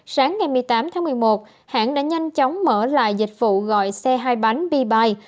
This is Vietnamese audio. sáng ngày một mươi tám tháng một mươi một hãng đã nhanh chóng mở lại dịch vụ gọi xe hai bánh bi